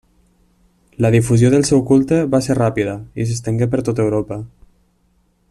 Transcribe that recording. La difusió del seu culte va ser ràpida i s'estengué per tot Europa.